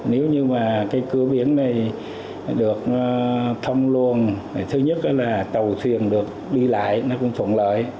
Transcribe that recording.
nếu như mà cái cửa biển này được thông luồn thứ nhất là tàu thuyền được đi lại nó cũng thuận lợi